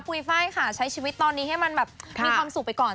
ไฟล์ค่ะใช้ชีวิตตอนนี้ให้มันแบบมีความสุขไปก่อน